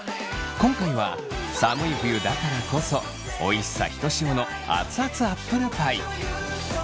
今回は寒い冬だからこそおいしさひとしおの熱々アップルパイ。